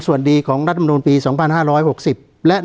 การแสดงความคิดเห็น